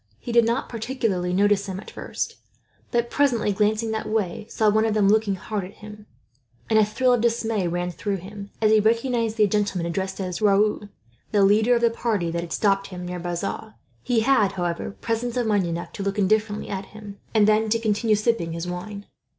He did not particularly notice them at first; but presently, glancing that way, saw one of them looking hard at him, and a thrill of dismay ran through him, as he recognized the gentleman addressed as Raoul, the leader of the party that had stopped him near Bazas. He had, however, presence of mind enough to look indifferently at him, and then to continue sipping his wine.